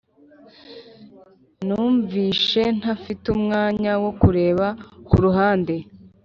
Numvishe ntafite numwanya wo kureba kuruhande